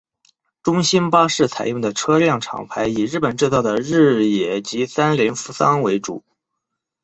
中兴巴士采用的车辆厂牌以日本制造的日野及三菱扶桑为主。